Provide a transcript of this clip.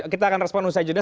kita akan respon usai jeda